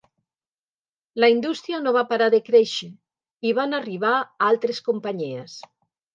La indústria no va parar de créixer i van arribar altres companyies.